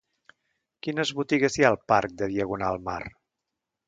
Quines botigues hi ha al parc de Diagonal Mar?